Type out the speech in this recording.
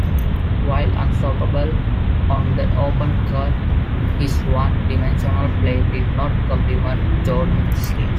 While unstoppable on the open court, his one-dimensional play did not complement Jordan's skills.